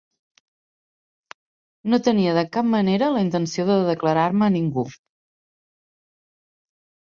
No tenia de cap manera la intenció de declarar-me a ningú.